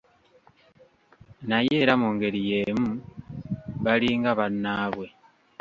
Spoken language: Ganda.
Naye era mu ngeri yeemu balinga bannaabwe.